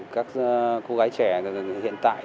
các cô gái trẻ hiện tại